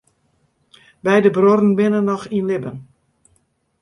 Beide bruorren binne noch yn libben.